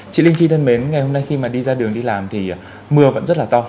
chị linh chi thân mến ngày hôm nay khi mà đi ra đường đi làm thì mưa vẫn rất là to